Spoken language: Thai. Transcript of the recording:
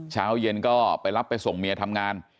เช้าเย็นก็ไปรับไปส่งเมียทำงาน